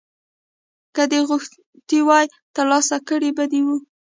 که دې غوښتي وای ترلاسه کړي به دې وو.